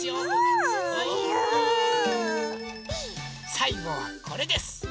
さいごはこれです。